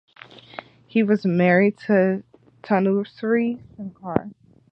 He was married to Tanusree Shankar.